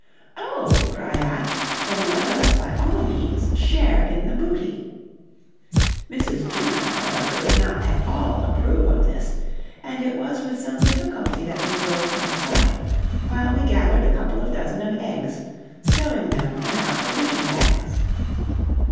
"'Oh,' cried I, 'then let us by all means share in the booty!' Mrs. Juno, however, did not at all approve of this, and it was with some difficulty that we drove her aside while we gathered a couple of dozen of eggs, stowing them in our provision bags.